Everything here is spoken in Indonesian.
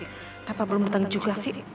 kenapa belum datang juga sih